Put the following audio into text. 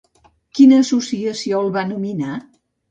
Quina associació el va nominar?